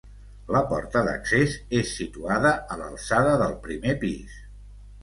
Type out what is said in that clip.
La porta d'accés és situada a l'alçada del primer pis.